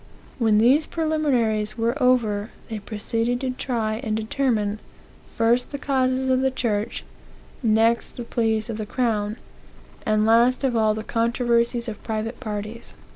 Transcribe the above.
When these preliminaries were over, they proceede to try and determine, first the causes of the church, next the pleas of the crown, and last of all the controversies of private parties."